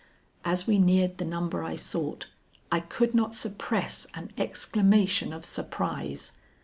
As we neared the number I sought, I could not suppress an exclamation of surprise.